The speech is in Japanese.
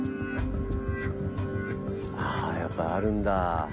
あやっぱあるんだ。